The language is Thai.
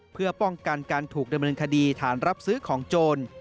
เพื่อป้องกันการถูกดำเนินคดีฐานรับซื้อของโจร